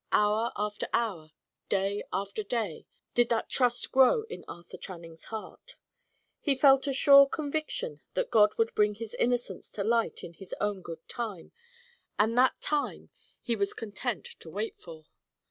Hour after hour, day after day, did that trust grow in Arthur Channing's heart. He felt a sure conviction that God would bring his innocence to light in His own good time: and that time he was content to wait for.